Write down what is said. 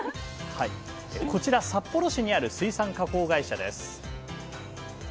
こちら札幌市にある水産加工会社です。